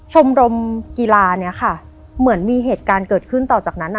ชมรมกีฬาเหมือนมีเหตุการณ์เกิดขึ้นต่อจากนั้น